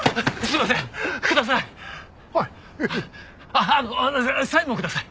あのサインもください！